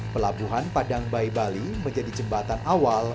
pelabuhan padang bayi bali menjadi jembatan awal